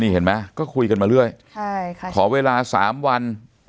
นี่เห็นมั้ยก็คุยกันมาเรื่อย